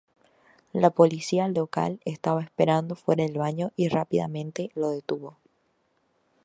La policía local estaba esperando fuera del baño y rápidamente lo detuvo.